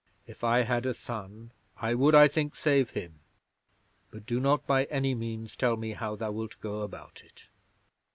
"If I had a son, I would, I think, save him. But do not by any means tell me how thou wilt go about it."